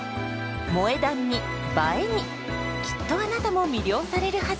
「萌え断」に「映え」にきっとあなたも魅了されるはず！